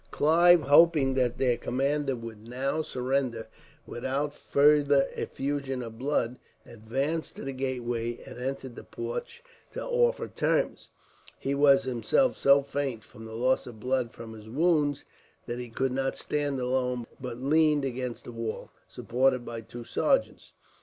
Clive, hoping that their commander would now surrender without further effusion of blood, advanced to the gateway and entered the porch to offer terms. He was himself so faint, from the loss of blood from his wounds, that he could not stand alone, but leaned against a wall, supported by two sergeants.